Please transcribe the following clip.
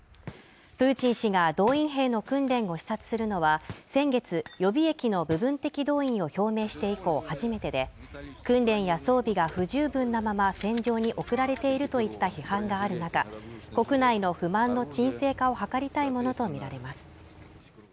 プーチン氏が動員兵の訓練を視察するのは先月予備役の部分的動員を表明して以降初めてで訓練や装備が不十分なまま戦場に送られているといった批判がある中国内の不満の沈静化を図りたいものと見られます